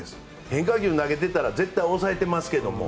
変化球を投げてたら絶対抑えてますけども。